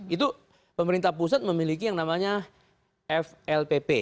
itu pemerintah pusat memiliki yang namanya flpp